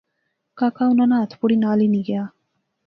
کاکا اُںاں نا ہتھ پوڑی نال ہنی غیا